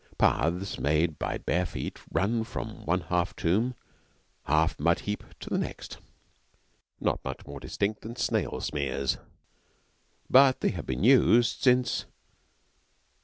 Paths made by bare feet run from one half tomb, half mud heap to the next, not much more distinct than snail smears, but they have been used since....